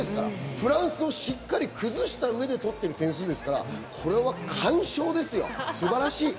フランスをしっかり崩した上で取ってる点数ですから、これは完勝ですよ。素晴らしい。